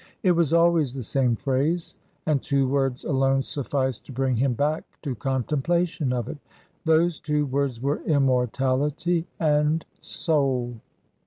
It was always the same phrase, and two words alone sufficed to bring him back to contemplation of it. Those two words were "Immortality" and "Soul."